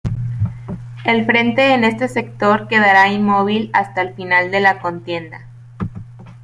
El frente en este sector quedará inmóvil hasta el final de la contienda.